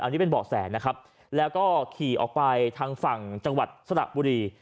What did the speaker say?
อันนี้เป็นเบาะแสนะครับแล้วก็ขี่ออกไปทางฝั่งจังหวัดสระบุรี